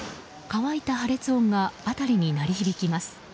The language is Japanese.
乾いた破裂音が辺りに鳴り響きます。